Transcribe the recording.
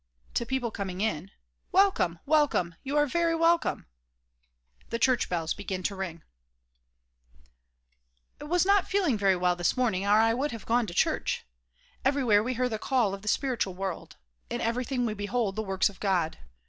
(To people coming in) Welcome! Welcome! You are very welcome! (The church bells begin to ring) I WAS not feeling very well this morning or I would have gone to church. Everywhere we hear the call of the spiritual world ; in eveiything we behold the works of God.